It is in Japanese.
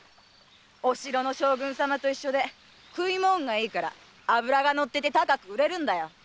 お城の将軍様と一緒で食い物がいいから脂がのっていて高く売れるんだよ。